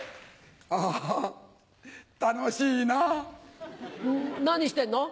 あぁ楽しいな。何してんの？